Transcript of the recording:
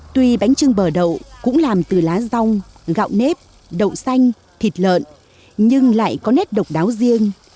tuy bánh trưng bờ đậu cũng làm từ lá rong gạo nếp đậu xanh thịt lợn nhưng lại có nét độc đáo riêng